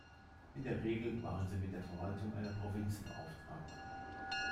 In der Regel waren sie mit der Verwaltung einer Provinz beauftragt.